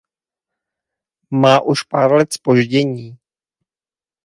Má už pár let zpoždění.